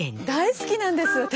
大好きなんです